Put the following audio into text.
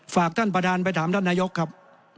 ฝากท่านประธานไปถามท่านนายกครับ